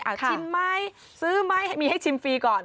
ชิมไหมซื้อไหมมีให้ชิมฟรีก่อน